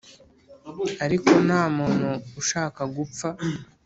ariko ntamuntu ushaka gupfa